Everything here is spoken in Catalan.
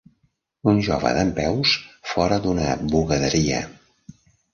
Un jove dempeus fora d'una bugaderia.